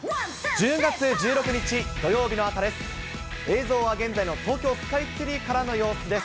１０月１６日土曜日の朝です。